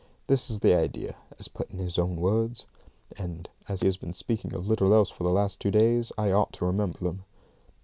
This is the idea, as put in his own words; and, as he has been speaking of little else for the last two days, I ought to remember them.